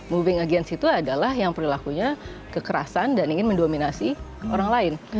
moving against itu adalah yang perilakunya kekerasan dan ingin mendominasi orang lain